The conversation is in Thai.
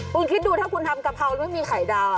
คุณคิดดูถ้าคุณทำกะเพราแล้วมีไข่ดาว